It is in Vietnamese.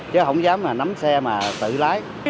chứ không dám nắm xe mà tự lái